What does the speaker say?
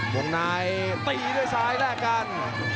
บางนายตีด้วยซ้ายและกัน